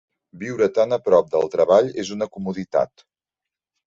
Viure tan a prop del treball és una comoditat.